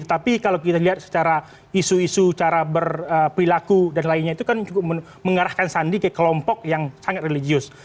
tapi kalau kita lihat secara isu isu cara berperilaku dan lainnya itu kan cukup mengarahkan sandi ke kelompok yang sangat religius